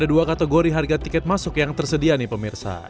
ada dua kategori harga tiket masuk yang tersedia nih pemirsa